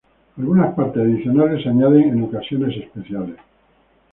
Algunas partes adicionales se añaden en ocasiones especiales.